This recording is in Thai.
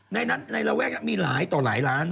ในระแวกนั้นมีหลายต่อหลายล้าน